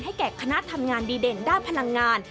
แก่คณะทำงานดีเด่นด้านพลังงาน